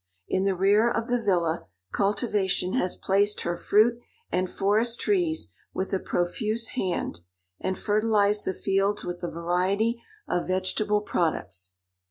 In the rear of the villa, cultivation has placed her fruit and forest trees with a profuse hand, and fertilized the fields with a variety of vegetable products.